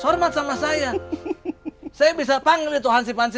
sekarang semuanya gimana sih sudah diem aja deh